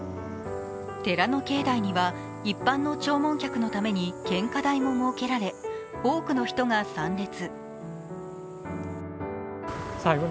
寺の境内には一般の弔問客のために献花台も設けられ、多くの人が参列。